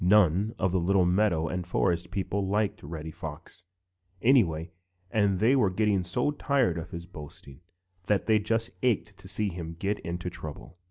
None of the little meadow and forest people liked Reddy Fox, anyway, and they were getting so tired of his boasting that they just ached to see him get into trouble.